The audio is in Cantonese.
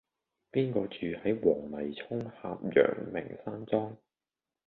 邊個住喺黃泥涌峽陽明山莊